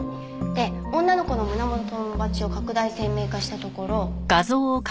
で女の子の胸元のバッジを拡大鮮明化したところ。